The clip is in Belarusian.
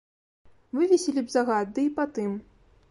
Вывесілі б загад, ды і па тым.